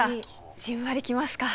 じんわりきますか。